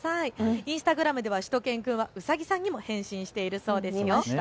インスタグラムではしゅと犬くんはうさぎさんにも変身しているそうですよ。